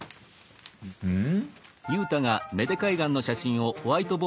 うん？